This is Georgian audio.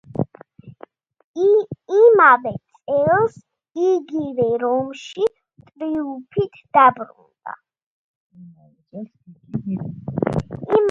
იმავე წელს იგი რომში ტრიუმფით დაბრუნდა.